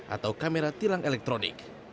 atau kamera tilang elektronik